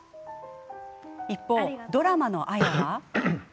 一方、ドラマの綾は。